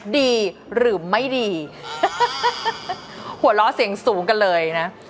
ดีหรือไม่ดีหัวเราะเสียงสูงกันเลยนะ